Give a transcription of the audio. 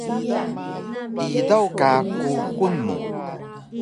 Idaw ka kuxul mu